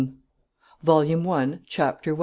VOLUME I. CHAPTER I.